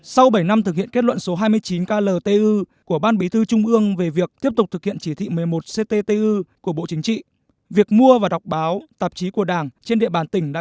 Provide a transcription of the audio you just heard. sau bảy năm thực hiện kết luận số hai mươi chín kltu của ban bí thư trung ương về việc tiếp tục thực hiện chỉ thị một mươi một cttu của bộ chính trị việc mua và đọc báo tạp chí của đảng trên địa bàn tỉnh đã đạt được